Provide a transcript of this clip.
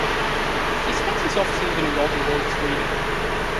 He spends his off-season in Gothenburg, Sweden.